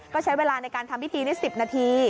ก็ใช้เวลาในการทำพิธีนี้๑๐นาที